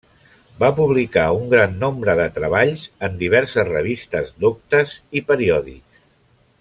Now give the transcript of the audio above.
Va publicar un gran nombre de treballs en diverses revistes doctes i periòdics.